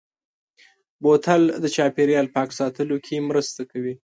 بوتل د چاپېریال پاک ساتلو کې مرسته کوي.